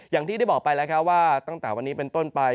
อย่างที่ได้บอกไปแล้วครับว่าตั้งแต่วันนี้เป็นต้นไป